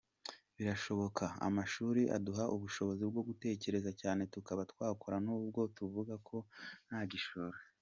Birashoboka, amashuri aduha ubushobozi bwo gutekereza cyane tukaba twakora nubwo tuvuga ko nta gishoro.